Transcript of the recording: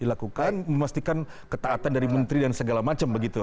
dilakukan memastikan ketaatan dari menteri dan segala macam begitu